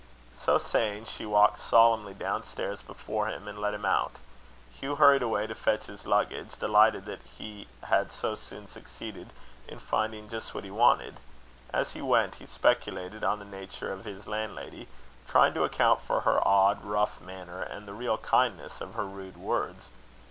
So saying, she walked solemnly down stairs before him, and let him out. Hugh hurried away to fetch his luggage, delighted that he had so soon succeeded in finding just what he wanted. As he went, he speculated on the nature of his landlady, trying to account for her odd rough manner, and the real kindness of her rude words.